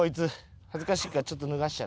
恥ずかしいからちょっと脱がしちゃろ。